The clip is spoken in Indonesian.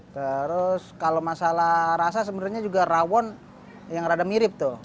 terus kalau masalah rasa sebenarnya juga rawon yang rada mirip tuh